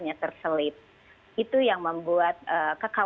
kami sudah melakukan pengumuman di rumah